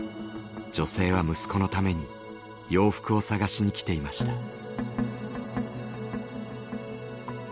女性は息子のために洋服を探しに来ていました。